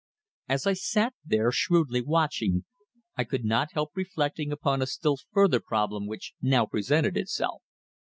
As I sat there shrewdly watching, I could not help reflecting upon a still further problem which now presented itself.